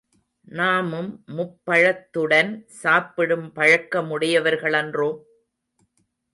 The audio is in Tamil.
நாமும் முப்பழத்துடன் சாப்பிடும் பழக்கமுடையவர்களன்றோ?